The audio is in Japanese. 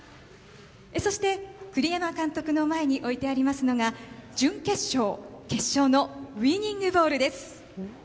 そして、栗山監督の前に置いてありますのが準決勝、決勝のウィニングボールです。